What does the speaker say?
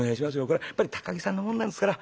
これはやっぱり高木さんのもんなんですから。